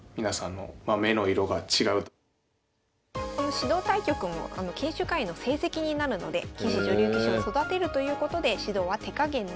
指導対局も研修会員の成績になるので棋士女流棋士を育てるということで指導は手加減なし。